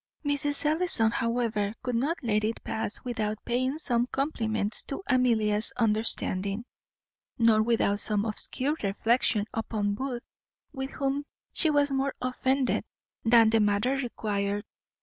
Mrs. Ellison, however, could not let it pass without paying some compliments to Amelia's understanding, nor without some obscure reflexions upon Booth, with whom she was more offended than the matter required.